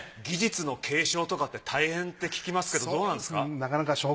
技術の継承とかって大変って聞きますけどどうなんですか？